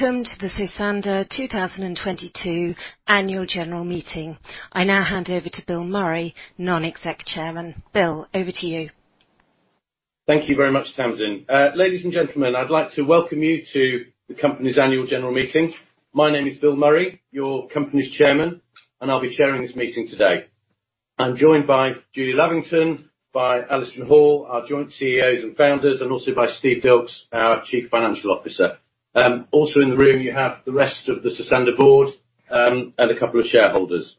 Welcome to the Sosandar 2022 annual general meeting. I now hand over to Bill Murray, Non-Executive Chairman. Bill, over to you. Thank you very much, Tamsin. Ladies and gentlemen, I'd like to welcome you to the company's annual general meeting. My name is Bill Murray, your company's chairman, and I'll be chairing this meeting today. I'm joined by Julie Lavington, by Alison Hall, our joint CEOs and founders, and also by Steve Dilks, our chief financial officer. Also in the room you have the rest of the Sosandar board, and a couple of shareholders.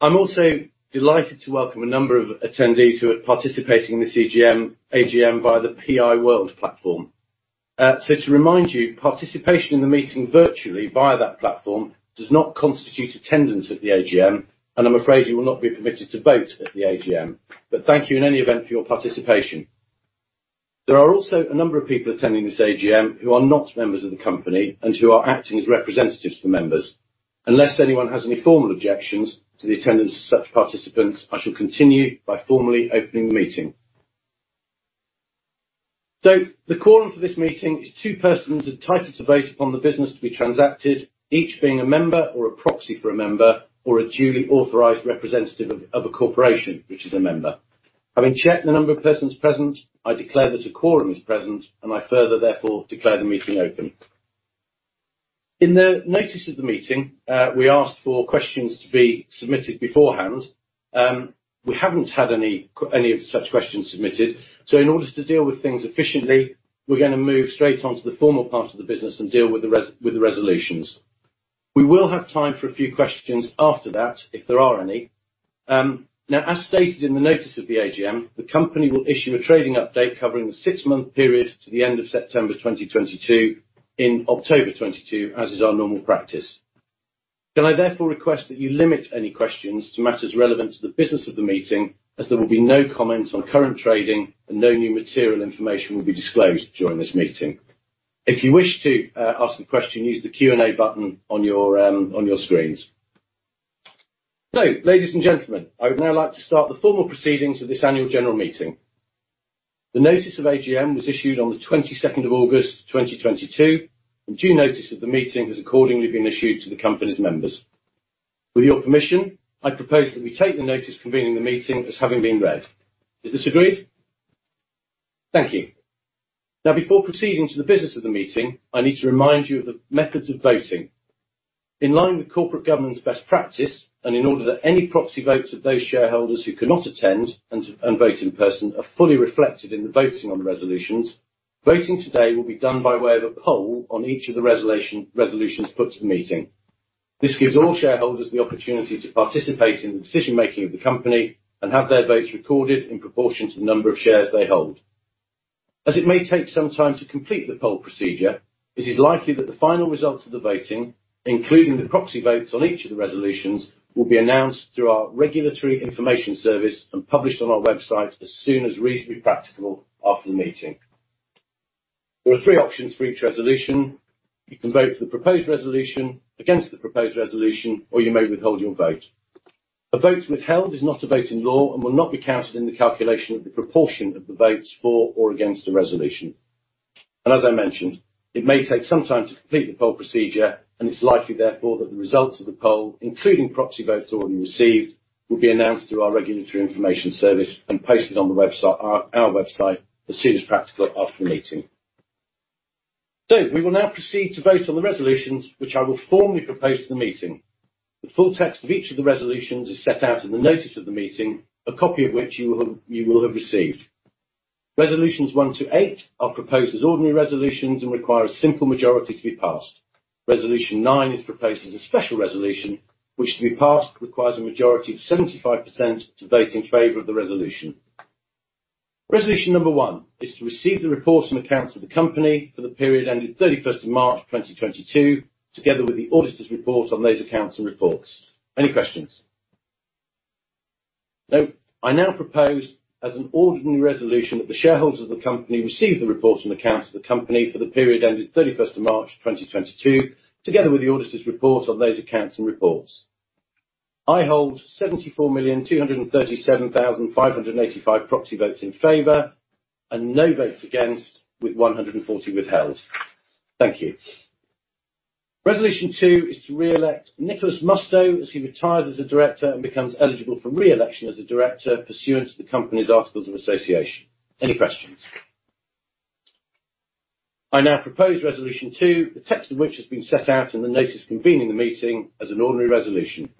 I'm also delighted to welcome a number of attendees who are participating in this AGM via the PI World platform. So to remind you, participation in the meeting virtually via that platform does not constitute attendance at the AGM, and I'm afraid you will not be permitted to vote at the AGM. Thank you in any event for your participation. There are also a number of people attending this AGM who are not members of the company and who are acting as representatives for members. Unless anyone has any formal objections to the attendance of such participants, I shall continue by formally opening the meeting. The quorum for this meeting is two persons entitled to vote upon the business to be transacted, each being a member or a proxy for a member, or a duly authorized representative of a corporation, which is a member. Having checked the number of persons present, I declare that a quorum is present, and I further therefore declare the meeting open. In the notice of the meeting, we asked for questions to be submitted beforehand, we haven't had any of the such questions submitted, so in order to deal with things efficiently, we're gonna move straight on to the formal part of the business and deal with the resolutions. We will have time for a few questions after that, if there are any. Now, as stated in the notice of the AGM, the company will issue a trading update covering the six-month period to the end of September 2022 in October 2022, as is our normal practice. Can I therefore request that you limit any questions to matters relevant to the business of the meeting, as there will be no comment on current trading and no new material information will be disclosed during this meeting. If you wish to ask a question, use the Q&A button on your screens. Ladies and gentlemen, I would now like to start the formal proceedings of this annual general meeting. The notice of AGM was issued on the twenty-second of August, twenty twenty-two, and due notice of the meeting has accordingly been issued to the company's members. With your permission, I propose that we take the notice convening the meeting as having been read. Is this agreed? Thank you. Now, before proceeding to the business of the meeting, I need to remind you of the methods of voting. In line with corporate governance best practice, and in order that any proxy votes of those shareholders who cannot attend and vote in person are fully reflected in the voting on the resolutions, voting today will be done by way of a poll on each of the resolutions put to the meeting. This gives all shareholders the opportunity to participate in the decision-making of the company and have their votes recorded in proportion to the number of shares they hold. As it may take some time to complete the poll procedure, it is likely that the final results of the voting, including the proxy votes on each of the resolutions, will be announced through our regulatory information service and published on our website as soon as reasonably practical after the meeting. There are three options for each resolution. You can vote for the proposed resolution, against the proposed resolution, or you may withhold your vote. A vote withheld is not a vote in law and will not be counted in the calculation of the proportion of the votes for or against the resolution. As I mentioned, it may take some time to complete the poll procedure, and it's likely therefore that the results of the poll, including proxy votes already received, will be announced through our regulatory information service and posted on our website as soon as practical after the meeting. We will now proceed to vote on the resolutions which I will formally propose to the meeting. The full text of each of the resolutions is set out in the notice of the meeting, a copy of which you will have received. Resolutions one to eight are proposed as ordinary resolutions and require a simple majority to be passed. Resolution 9 is proposed as a special resolution, which to be passed, requires a majority of 75% to vote in favor of the resolution. Resolution number one is to receive the reports and accounts of the company for the period ending 31st of March, 2022, together with the auditor's report on those accounts and reports. Any questions? No. I now propose as an ordinary resolution that the shareholders of the company receive the reports and accounts of the company for the period ending 31st of March, 2022, together with the auditor's report on those accounts and reports. I hold 74,237,585 proxy votes in favor and no votes against, with 140 withheld. Thank you. Resolution two is to re-elect Nick Mustoe as he retires as a director and becomes eligible for re-election as a director pursuant to the company's articles of association. Any questions? I now propose resolution two, the text of which has been set out in the notice convening the meeting as an ordinary resolution.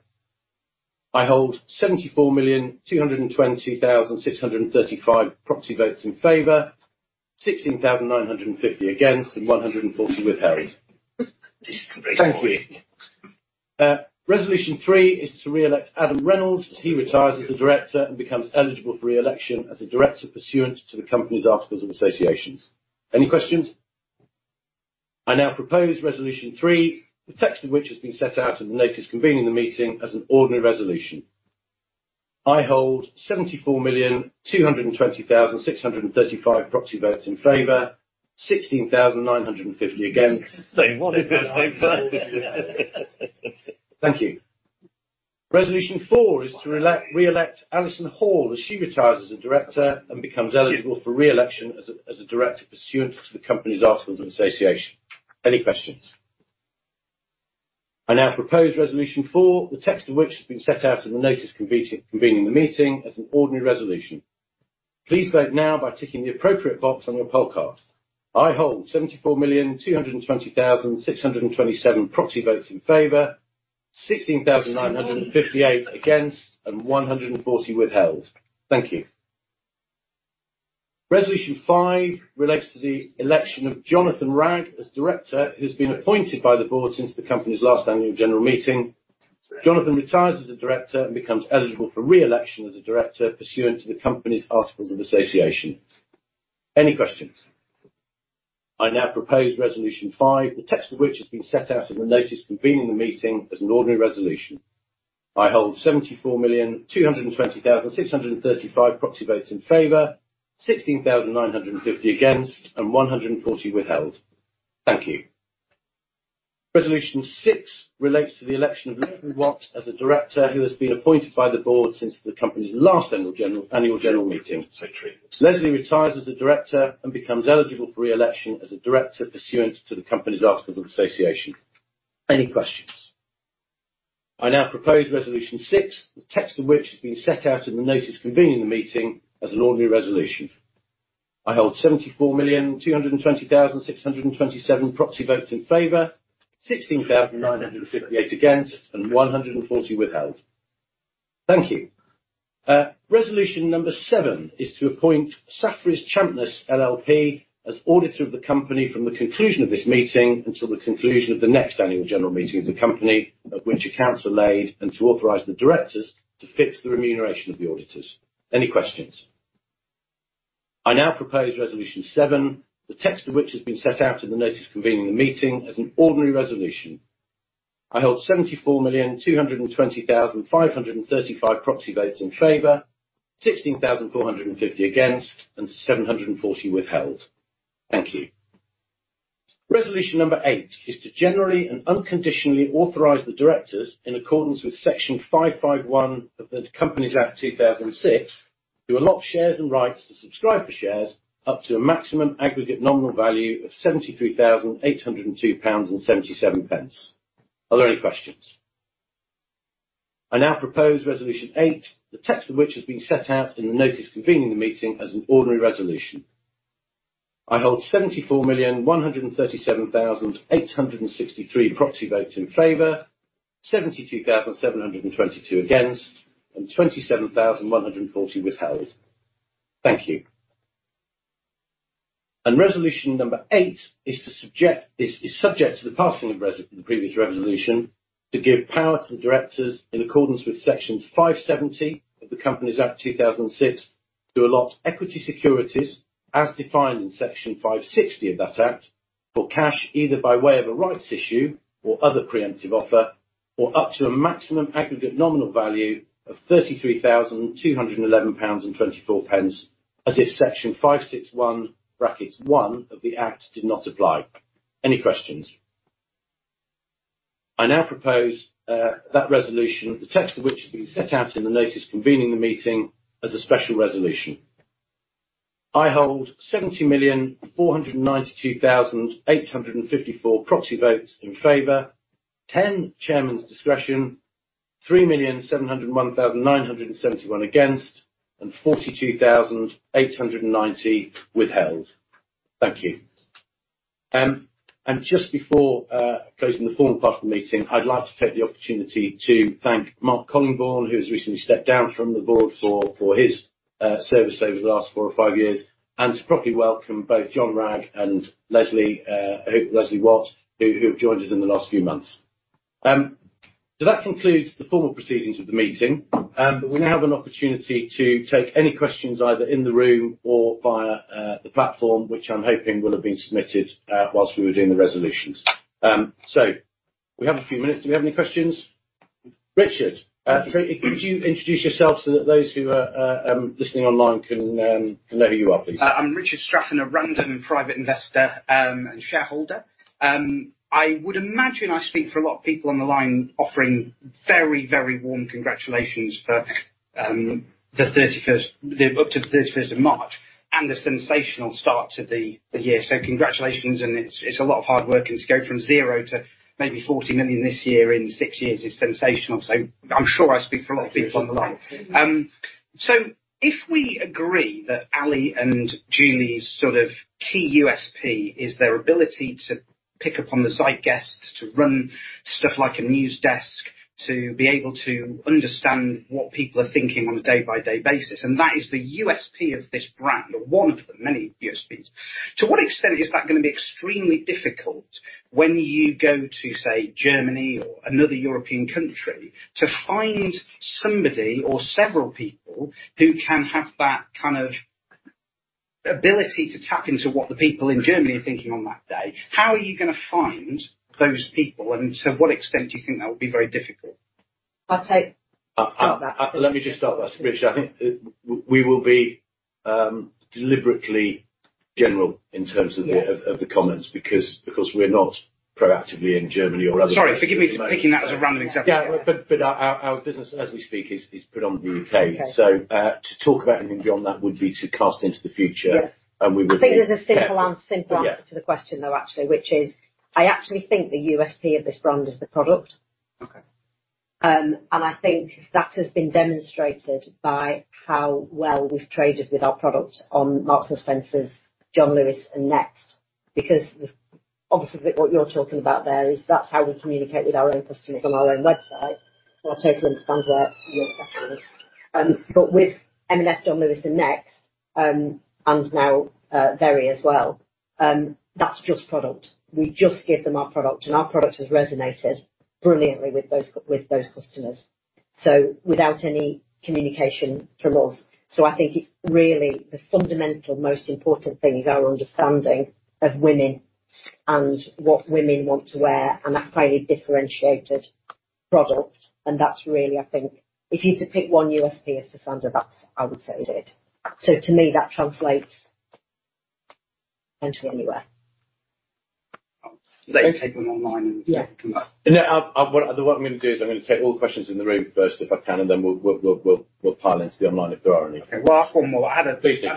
I hold 74,220,635 proxy votes in favor, 16,950 against, and 140 withheld. Thank you. Resolution three is to re-elect Adam Reynolds as he retires as a director and becomes eligible for re-election as a director pursuant to the company's articles of association. Any questions? I now propose resolution three, the text of which has been set out in the notice convening the meeting as an ordinary resolution. I hold 74,220,635 proxy votes in favor, 16,950 against. What is this vote? Thank you. Resolution four is to re-elect Alison Hall as she retires as a director and becomes eligible for re-election as a director pursuant to the company's articles of association. Any questions? I now propose resolution four, the text of which has been set out in the notice convening the meeting as an ordinary resolution. Please vote now by ticking the appropriate box on your poll card. I hold 74,220,627 proxy votes in favor, 16,958 against, and 140 withheld. Thank you. Resolution five relates to the election of Jon Wragg as director, who's been appointed by the board since the company's last annual general meeting. Jon Wragg retires as a director and becomes eligible for re-election as a director pursuant to the company's articles of association. Any questions? I now propose resolution five, the text of which has been set out in the notice convening the meeting as an ordinary resolution. I hold 74,220,635 proxy votes in favor, 16,950 against, and 140 withheld. Thank you. Resolution six relates to the election of Lesley Watt as a director, who has been appointed by the board since the company's last annual general meeting. Lesley retires as a director and becomes eligible for re-election as a director pursuant to the company's articles of association. Any questions? I now propose resolution six, the text of which has been set out in the notice convening the meeting as an ordinary resolution. I hold 74,200,627 proxy votes in favor, 16,958 against, and 140 withheld. Thank you. Resolution number seven is to appoint Saffery Champness LLP as auditor of the company from the conclusion of this meeting until the conclusion of the next annual general meeting of the company, of which accounts are laid, and to authorize the directors to fix the remuneration of the auditors. Any questions? I now propose resolution seven, the text of which has been set out in the notice convening the meeting as an ordinary resolution. I hold 74,200,535 proxy votes in favor, 16,450 against, and 740 withheld. Thank you. Resolution number eight is to generally and unconditionally authorize the directors in accordance with Section 551 of the Companies Act 2006 to allot shares and rights to subscribe for shares up to a maximum aggregate nominal value of 73,802.77 pounds. Are there any questions? I now propose resolution 8, the text of which has been set out in the notice convening the meeting as an ordinary resolution. I hold 74,137,863 proxy votes in favor, 72,722 against, and 27,140 withheld. Thank you. Resolution number eight is to subject... It is subject to the passing of the previous resolution to give power to the directors in accordance with Section 570 of the Companies Act 2006 to allot equity securities as defined in Section 560 of that act for cash, either by way of a rights issue or other preemptive offer, or up to a maximum aggregate nominal value of 33,211.24 pounds, as if Section 561(1) of the act did not apply. Any questions? I now propose that resolution, the text of which will be set out in the notice convening the meeting as a special resolution. I hold 70,492,854 proxy votes in favor, 10 chairman's discretion, 3,701,971 against, and 42,890 withheld. Thank you. Just before closing the formal part of the meeting, I'd like to take the opportunity to thank Mark Collingbourne, who has recently stepped down from the board for his service over the last four or five years, and to properly welcome both Jon Wragg and Lesley Watt, who have joined us in the last few months. That concludes the formal proceedings of the meeting. We now have an opportunity to take any questions either in the room or via the platform, which I'm hoping will have been submitted while we were doing the resolutions. We have a few minutes. Do we have any questions? Richard, could you introduce yourself so that those who are listening online can know who you are, please. I'm Richard Strachan, a random private investor, and shareholder. I would imagine I speak for a lot of people on the line offering very, very warm congratulations for up to the thirty-first of March and the sensational start to the year. Congratulations, and it's a lot of hard work and to go from zero to maybe 40 million this year in six years is sensational. I'm sure I speak for a lot of people on the line. If we agree that Ally and Julie's sort of key USP is their ability to pick up on the site guests, to run stuff like a news desk, to be able to understand what people are thinking on a day-by-day basis, and that is the USP of this brand or one of the many USPs. To what extent is that gonna be extremely difficult when you go to, say, Germany or another European country, to find somebody or several people who can have that kind of ability to tap into what the people in Germany are thinking on that day? How are you gonna find those people? To what extent do you think that would be very difficult? I'll take- Let me just start that, Richard. I think we will be deliberately general in terms of the- Yeah of the comments because we're not proactively in Germany or other places at the moment. Sorry, forgive me for picking that as a random example. Yeah. Our business as we speak is predominantly UK. Okay. To talk about anything beyond that would be to cast into the future. Yes. And we would be- I think there's a simple answer. Yeah To the question though, actually, which is, I actually think the USP of this brand is the product. Okay. I think that has been demonstrated by how well we've traded with our product on Marks & Spencer, John Lewis, and Next. Because obviously what you're talking about there is that's how we communicate with our own customers on our own website. I totally understand where your question is. With M&S, John Lewis, and Next, and now Very as well, that's just product. We just give them our product, and our product has resonated brilliantly with those customers. Without any communication from us. I think it's really the fundamental most important thing is our understanding of women and what women want to wear and that highly differentiated product, and that's really I think. If you had to pick one USP as to Sosandar, that's I would say is it. To me, that translates potentially anywhere. Let me take them online and. Yeah. Come back. What I'm gonna do is I'm gonna take all questions in the room first, if I can, and then we'll pile into the online if there are any. Okay. Well, I've one more. Please do.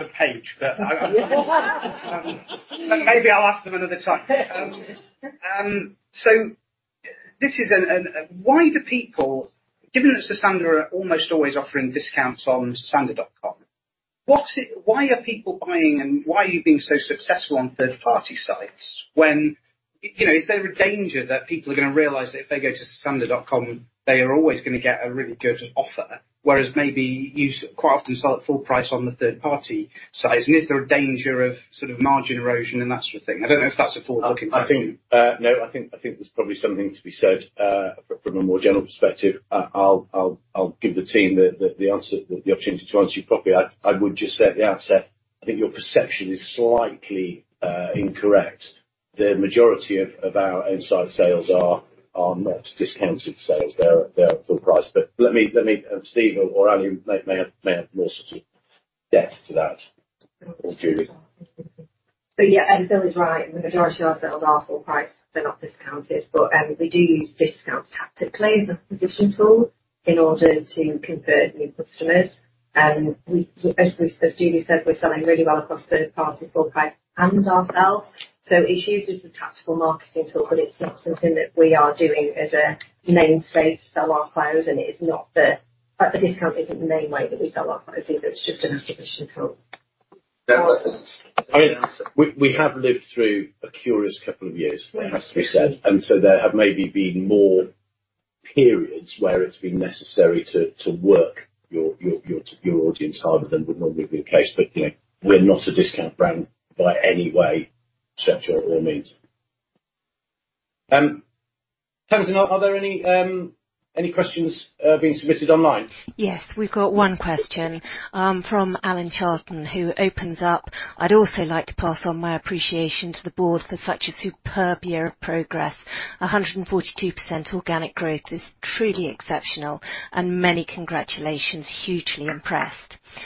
Given that Sosandar are almost always offering discounts on sosandar.com, why are people buying and why are you being so successful on third-party sites when you know, is there a danger that people are gonna realize that if they go to sosandar.com, they are always gonna get a really good offer, whereas maybe you quite often sell at full price on the third party sites. Is there a danger of sort of margin erosion and that sort of thing? I don't know if that's a forward-looking question. I think no. I think there's probably something to be said from a more general perspective. I'll give the team the answer, the opportunity to answer you properly. I would just say at the outset, I think your perception is slightly incorrect. The majority of our inside sales are not discounted sales. They're full price. Let me. Steve or Ali may have more sort of depth to that or Julie. As Bill is right, the majority of our sales are full price. They're not discounted. We do use discounts tactically as an acquisition tool in order to convert new customers. As Julie said, we're selling really well across third party, full price, and ourselves. It's used as a tactical marketing tool, but it's not something that we are doing as a mainstay to sell our clothes. It is not. Like, the discount isn't the main way that we sell our clothes either. It's just an acquisition tool. I mean, we have lived through a curious couple of years. Yes. It has to be said, there have maybe been more periods where it's been necessary to work your audience harder than would normally be the case. You know, we're not a discount brand by any way, stretch or means. Tamsin, are there any questions being submitted online? Yes. We've got one question from Alan Charlton who opens up, "I'd also like to pass on my appreciation to the board for such a superb year of progress. 142% organic growth is truly exceptional and many congratulations. Hugely impressed." He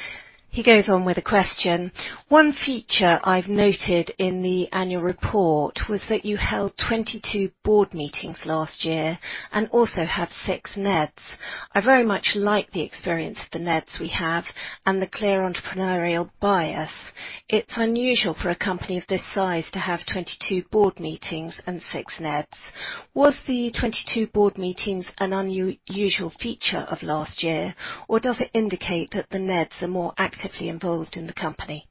goes on with a question, "One feature I've noted in the annual report was that you held 22 board meetings last year and also have six NEDs. I very much like the experience of the NEDs we have and the clear entrepreneurial bias. It's unusual for a company of this size to have 22 board meetings and six NEDs. Was the 22 board meetings an unusual feature of last year, or does it indicate that the NEDs are more actively involved in the company?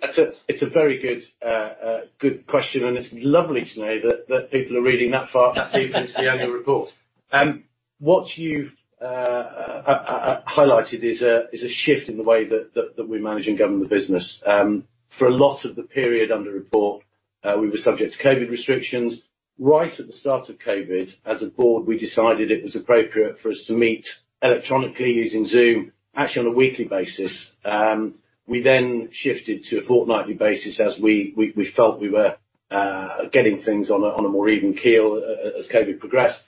That's a very good question, and it's lovely to know that people are reading that far deep into the annual report. What you've highlighted is a shift in the way that we manage and govern the business. For a lot of the period under report, we were subject to COVID restrictions. Right at the start of COVID, as a board, we decided it was appropriate for us to meet electronically using Zoom, actually on a weekly basis. We then shifted to a fortnightly basis as we felt we were getting things on a more even keel as COVID progressed.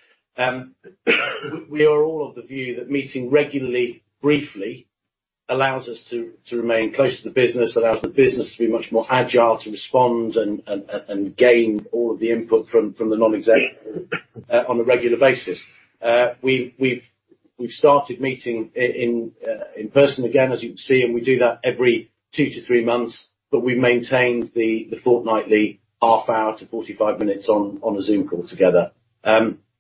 We are all of the view that meeting regularly, briefly, allows us to remain close to the business, allows the business to be much more agile, to respond and gain all of the input from the non-exec on a regular basis. We've started meeting in person again, as you can see, and we do that every two to three months. We've maintained the fortnightly half hour to 45 minutes on a Zoom call together.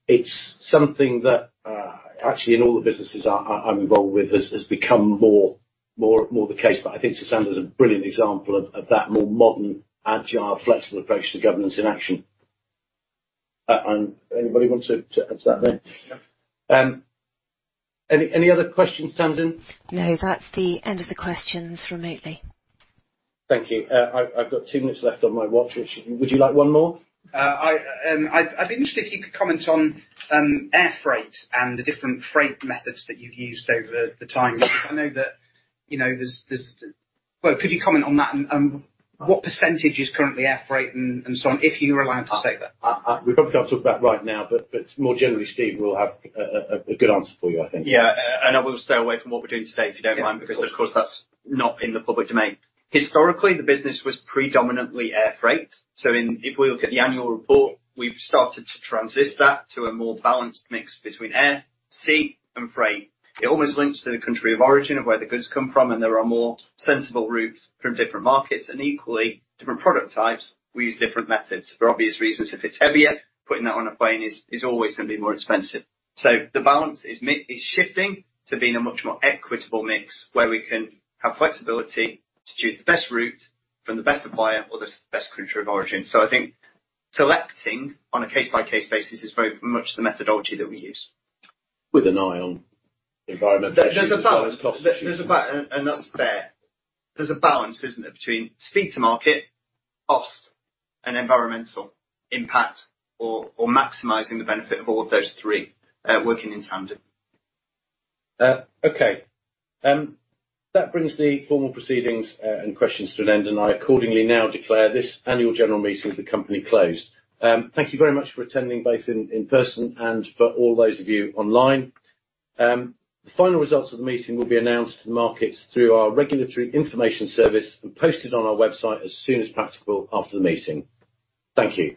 It's something that actually in all the businesses I'm involved with has become more the case. I think Sosandar is a brilliant example of that more modern, agile, flexible approach to governance in action. Anybody want to add to that there? No. Any other questions, Tamsin? No, that's the end of the questions remotely. Thank you. I've got two minutes left on my watch. Would you like one more? I'd be interested if you could comment on air freight and the different freight methods that you've used over time. Because I know that, you know, there's. Well, could you comment on that and what percentage is currently air freight and so on, if you're allowed to say that. We probably can't talk about right now, but more generally, Steve will have a good answer for you, I think. Yeah. I will stay away from what we're doing today, if you don't mind. Yeah. Of course. ...because of course that's not in the public domain. Historically, the business was predominantly air freight. If we look at the annual report, we've started to transition that to a more balanced mix between air, sea, and freight. It almost links to the country of origin of where the goods come from, and there are more sensible routes from different markets and equally different product types. We use different methods for obvious reasons. If it's heavier, putting that on a plane is always gonna be more expensive. The balance is shifting to being a much more equitable mix where we can have flexibility to choose the best route from the best supplier or the best country of origin. I think selecting on a case-by-case basis is very much the methodology that we use. With an eye on the environment. There's a balance. That's fair. There's a balance, isn't it, between speed to market, cost, and environmental impact or maximizing the benefit of all of those three, working in tandem. Okay. That brings the formal proceedings and questions to an end, and I accordingly now declare this annual general meeting of the company closed. Thank you very much for attending both in person and for all those of you online. The final results of the meeting will be announced to the markets through our regulatory information service and posted on our website as soon as practical after the meeting. Thank you.